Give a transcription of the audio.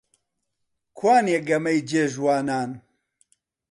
کوانێ گەمەی جێ ژوانان؟